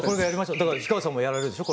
だから氷川さんもやられるでしょう？